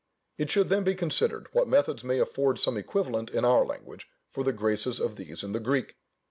It should then be considered what methods may afford some equivalent in our language for the graces of these in the Greek.